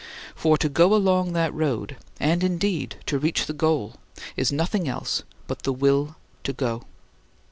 For to go along that road and indeed to reach the goal is nothing else but the will to go.